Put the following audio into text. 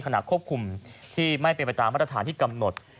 ขณะควบคุมที่ไม่เป็นไปตามมาตรฐานที่กำหนด